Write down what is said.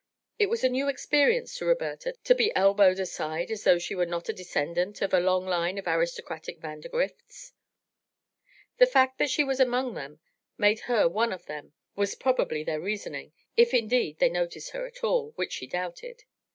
It was a new experience to Roberta to be elbowed aside as though she were not a descendant of a long line of aristocratic Vandergrifts. The fact that she was among them, made her one of them, was probably their reasoning, if, indeed, they noticed her at all, which she doubted.